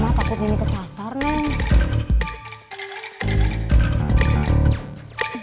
mama takut nini kesasar nih